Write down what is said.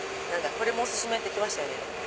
これもお薦めって言ってましたね。